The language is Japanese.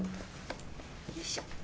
よいしょ。